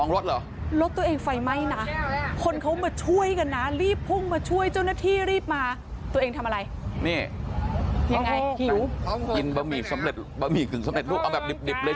รถตัวเองไฟไหม้นะคนเขามาช่วยกันนะรีบพุ่งมาช่วยเจ้าหน้าที่รีบมาตัวเองทำอะไร